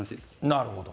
なるほど。